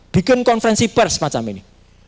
bikin konfrensi pers macam ini